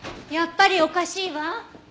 やっぱりおかしいわ。